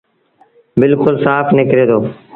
بلڪُل سآڦ نڪري دو۔